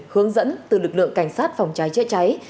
hướng dẫn từ lực lượng cảnh sát phòng cháy chữa cháy